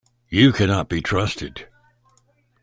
You cannot be trusted.